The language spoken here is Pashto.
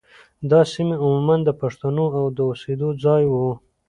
دا سیمې عموماً د پښتنو د اوسېدو ځايونه وو.